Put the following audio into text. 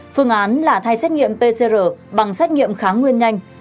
phương án là thay xét nghiệm pcr bằng xét nghiệm kháng nguyên nhanh